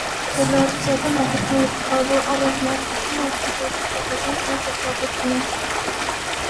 Բելառուսական հագուստների գլխավոր առանձնահատկությունը սպիտակի չափազանց մեծ օգտագործումն է։